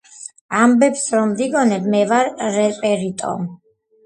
ამბებს რო ვიგონებ მე ვარ რეპერიტო